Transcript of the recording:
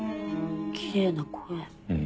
きれいな声。